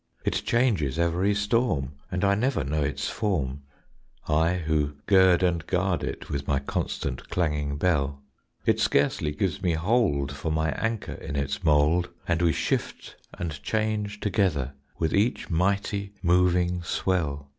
It changes every storm; And I never know its form I who gird and guard it With my constant clanging bell It scarcely gives me hold For my anchor in its mold; And we shift and change together With each mighty, moving swell.